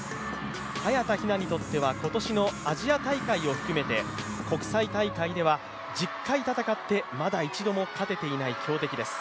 早田ひなにとっては今年のアジア大会を含めて国際大会では１０回戦ってのまだ一度も勝てていない強敵です。